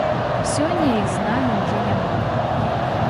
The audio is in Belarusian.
Сёння іх з намі ўжо няма.